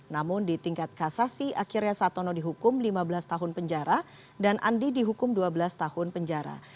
namun di tingkat kasasi akhirnya satono dihukum lima belas tahun penjara dan andi dihukum dua belas tahun penjara